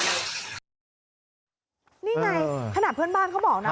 นี่ไงขนาดเพื่อนบ้านเขาบอกนะ